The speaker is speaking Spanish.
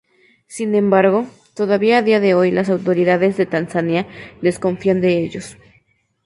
Sin embargo, todavía a día de hoy las autoridades de Tanzania desconfían de ellos.